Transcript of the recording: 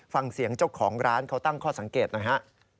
ฟังเสียงเจ้าของร้านเขาตั้งข้อสังเกตหน่อยฮะ